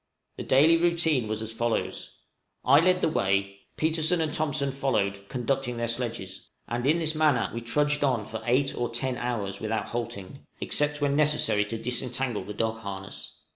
The daily routine was as follows: I led the way; Petersen and Thompson followed, conducting their sledges; and in this manner we trudged on for eight or ten hours without halting, except when necessary to disentangle the dog harness.